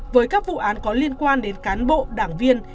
với các vụ án có liên quan đến cán bộ đảng viên